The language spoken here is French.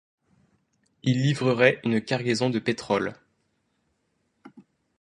Il livrerait une cargaison de pétrole.